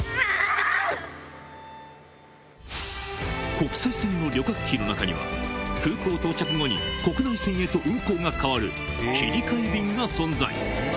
国際線の旅客機の中には空港到着後に国内線へと運行が替わる切替便が存在